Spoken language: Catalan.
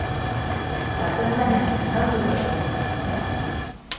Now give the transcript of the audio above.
Quantes banyes tenen els úters de les femelles?